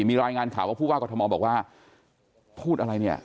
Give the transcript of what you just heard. มีรายงานข่าวล่ะ